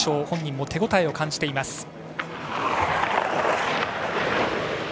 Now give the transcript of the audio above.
本人も手応えを感じています。